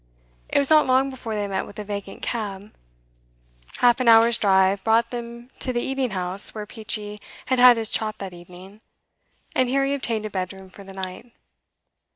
It was not long before they met with a vacant cab. Half an hour's drive brought them to the eating house where Peachey had had his chop that evening, and here he obtained a bedroom for the night.